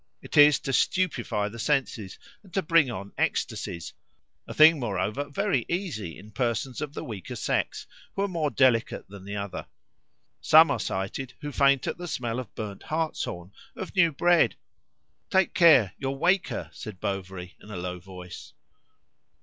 It is to stupefy the senses and to bring on ecstasies a thing, moreover, very easy in persons of the weaker sex, who are more delicate than the other. Some are cited who faint at the smell of burnt hartshorn, of new bread " "Take care; you'll wake her!" said Bovary in a low voice.